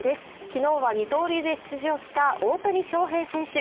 昨日は二刀流で出場した大谷翔平選手。